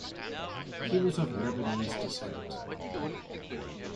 He was of Lebanese descent.